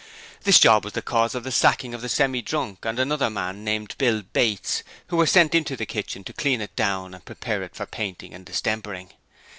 This job was the cause of the sacking of the Semi drunk and another man named Bill Bates, who were sent into the kitchen to clean it down and prepare it for painting and distempering.